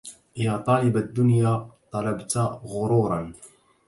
يا طالب الدنيا طلبت غرورا